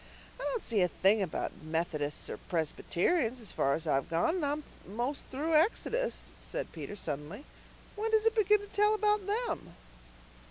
"I don't see a thing about Methodists or Presbyterians, as far as I've gone, and I'm most through Exodus," said Peter suddenly. "When does it begin to tell about them?"